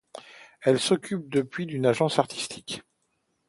Ils s'occupent depuis d'une agence artistique.